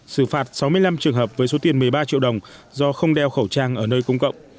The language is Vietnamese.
xử phạt sáu mươi năm trường hợp với số tiền một mươi ba triệu đồng do không đeo khẩu trang ở nơi công cộng